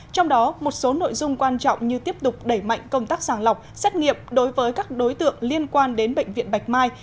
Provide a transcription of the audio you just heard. trong đó một số nội dung quan trọng như tiếp tục đẩy mạnh công tác sàng lọc xét nghiệm đối với các đối tượng liên quan đến bệnh viện bạch mai